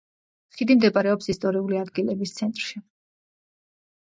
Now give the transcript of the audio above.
ხიდი მდებარეობს ისტორიული ადგილების ცენტრში.